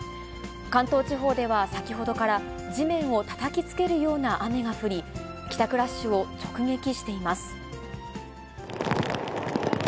関東地方では先ほどから、地面をたたきつけるような雨が降り、帰宅ラッシュを直撃しています。